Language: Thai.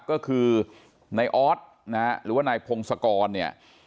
ก็คือนายออสนะฮะหรือว่านายพงศกรเนี่ย